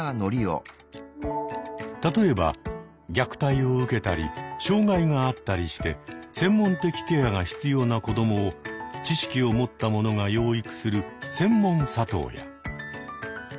例えば虐待を受けたり障害があったりして専門的ケアが必要な子どもを知識を持った者が養育する「専門里親」。